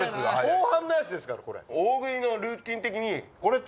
後半のやつですからこれ。